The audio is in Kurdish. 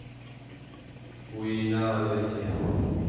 Wî neavêtiye.